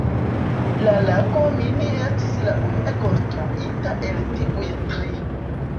La lago Mini estis la unue konstruita el tiuj tri.